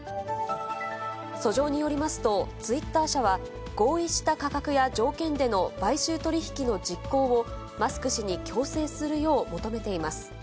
訴状によりますと、ツイッター社は、合意した価格や条件での買収取り引きの実行をマスク氏に強制するよう求めています。